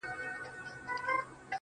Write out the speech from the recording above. هغه د ساه کښلو لپاره جادوگري غواړي.